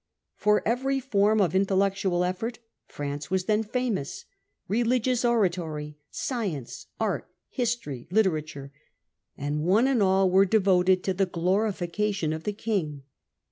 For every form of intellectual effort France was then famous — religious oratory, science, art, history, literature — and one and all were devoted to the glorification ol the King.